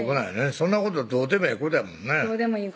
そんなことどうでもええことやもんね